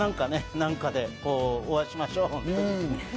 また何かでお会いしましょう！